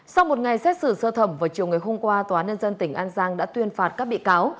sau một ngày xét xử sơ thẩm vào chiều ngày hôm qua tòa nhân dân tỉnh an giang đã tuyên phạt các bị cáo